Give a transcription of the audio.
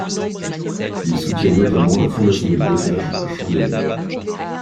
Ils soutiennent notamment la fondation du bocage à Chambéry.